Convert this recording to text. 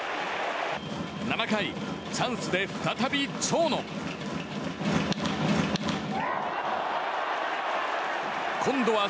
７回、チャンスで再び長野。